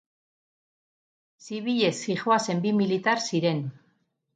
Zibilez zihoazen bi militar ziren.